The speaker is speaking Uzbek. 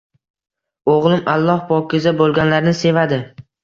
— O'g'lim, Alloh pokiza bo'lganlarni sevadi.